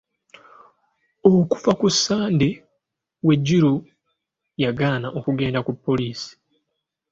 Okuva ku Sande Wejuru yagaana okugenda ku poliisi.